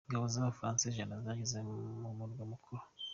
Ingabo z’Abafaransa ijana zageze mumurwa mukuru